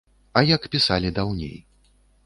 А як пісалі даўней.